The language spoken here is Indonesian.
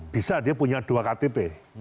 bisa dia punya dua ktp